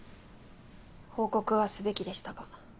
報告はすべきでしたが。